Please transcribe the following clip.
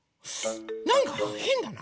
なんかへんだな？